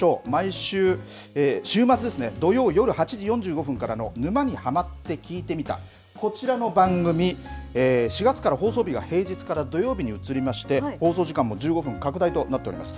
毎週週末ですね土曜夜８時４５分からの沼にハマってきいてみたこちらの番組４月から放送日が平日から土曜日に移りまして放送時間も１５分拡大となっています。